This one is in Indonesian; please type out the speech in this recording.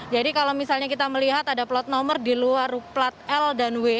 jadi kalau misalnya kita melihat ada plat nomor di luar plat l dan w